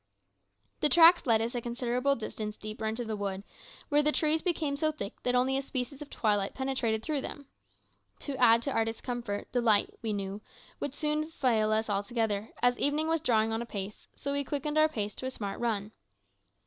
The tracks led us a considerable distance deeper into the wood, where the trees became so thick that only a species of twilight penetrated through them. To add to our discomfort, the light, we knew, would soon fail us altogether, as evening was drawing on apace, so we quickened our pace to a smart run.